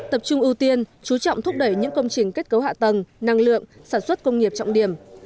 tập trung ưu tiên chú trọng thúc đẩy những công trình kết cấu hạ tầng năng lượng sản xuất công nghiệp trọng điểm